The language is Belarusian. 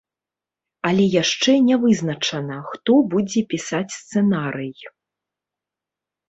Але яшчэ не вызначана, хто будзе пісаць сцэнарый.